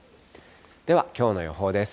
では、きょうの予報です。